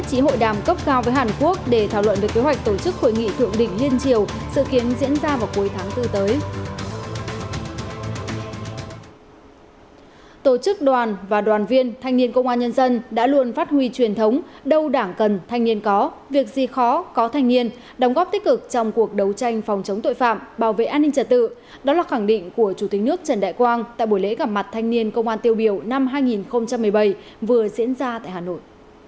đó là khẳng định của chủ tịch nước trần đại quang tại buổi lễ gặp mặt thanh niên công an tiêu biểu năm hai nghìn một mươi bảy vừa diễn ra tại hà nội